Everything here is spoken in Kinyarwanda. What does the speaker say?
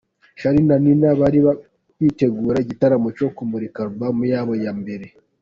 Charly na Nina bari kwitegura igitaramo cyo kumurika Album yabo ya mbere.